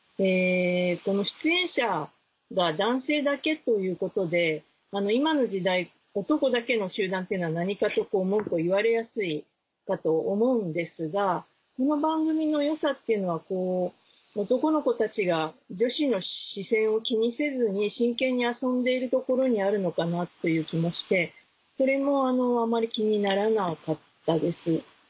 出演者が男性だけということで今の時代男だけの集団っていうのは何かと文句を言われやすいかと思うんですがこの番組の良さっていうのは男の子たちが女子の視線を気にせずに真剣に遊んでいるところにあるのかなという気もしてそれもあまり気にならなかったです。